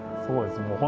そうですね。